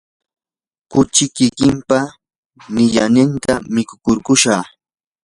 kuchi kikimpa niyanninta mikukurkushqa.